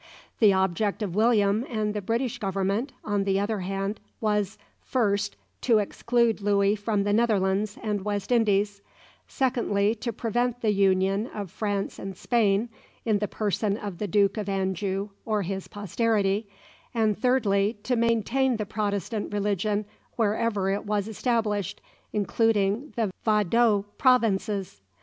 The object of William and the British government, on the other hand, was first, to exclude Louis from the Netherlands and West Indies; secondly, to prevent the union of France and Spain in the person of the Duke of Anjou or his posterity; and, thirdly, to maintain the Protestant religion wherever it was established, including the Vaudois provinces.